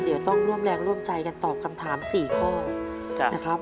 เดี๋ยวต้องร่วมแรงร่วมใจกันตอบคำถาม๔ข้อนะครับ